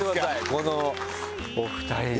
このお二人で。